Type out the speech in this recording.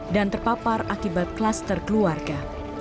dan terpapar akibat klaster keluarga